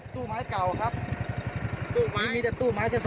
ตู้ไม้เก่าครับนี้มีแต่ตู้ไม้